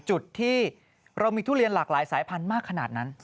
จุดที่เรามีทุเรียนหลากหลายสายพันธุ์มากขนาดนั้น